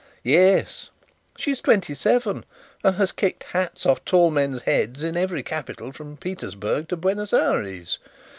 "Yes. She is twenty seven and has kicked hats off tall men's heads in every capital from Petersburg to Buenos Ayres!